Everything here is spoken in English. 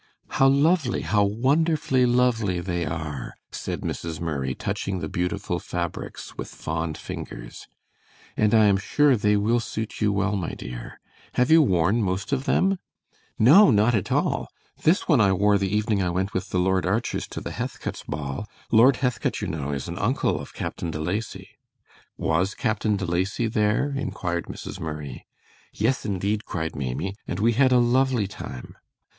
"How lovely, how wonderfully lovely they are," said Mrs. Murray, touching the beautiful fabrics with fond fingers; "and I am sure they will suit you well, my dear. Have you worn most of them?" "No, not all. This one I wore the evening I went with the Lord Archers to the Heathcote's ball. Lord Heathcote, you know, is an uncle of Captain De Lacy." "Was Captain De Lacy there?" inquired Mrs. Murray. "Yes, indeed," cried Maimie, "and we had a lovely time!"